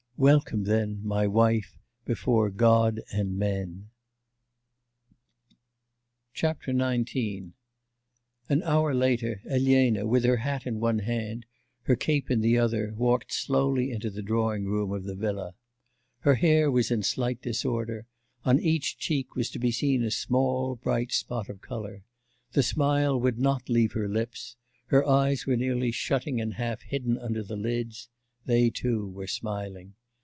'Welcome, then, my wife, before God and men!' XIX An hour later, Elena, with her hat in one hand, her cape in the other, walked slowly into the drawing room of the villa. Her hair was in slight disorder; on each cheek was to be seen a small bright spot of colour, the smile would not leave her lips, her eyes were nearly shutting and half hidden under the lids; they, too, were smiling.